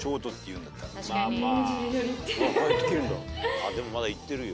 あぁでもまだいってるよ。